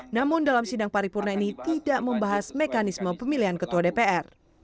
namun dalam sidang paripurna ini tidak membahas mekanisme pemilihan ketua dpr